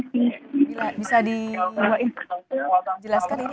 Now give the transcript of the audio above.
ya fida bisa dijelaskan ini apa yang sedang dijelaskan oleh polisi